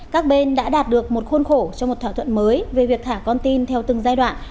các bên đã đạt được một khuôn khổ cho một thỏa thuận mới về việc thả con tin theo từng giai đoạn